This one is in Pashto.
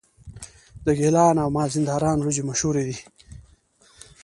د ګیلان او مازندران وریجې مشهورې دي.